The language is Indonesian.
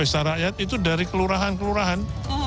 desa rakyat itu dari kelurahan kelurahan